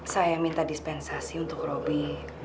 saya minta dispensasi untuk robby